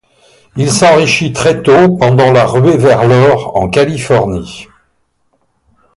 Il s'enrichit très tôt pendant la ruée vers l'or en Californie.